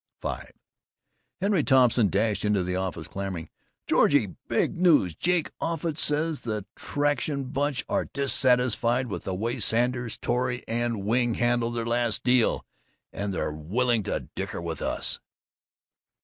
V Henry Thompson dashed into the office, clamoring, "George! Big news! Jake Offutt says the Traction Bunch are dissatisfied with the way Sanders, Torrey and Wing handled their last deal, and they're willing to dicker with us!"